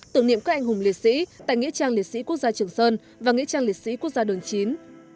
tưởng niệm các anh hùng liệt sĩ tại nghĩa trang liệt sĩ quốc gia trường sơn và nghĩa trang liệt sĩ quốc gia đường chín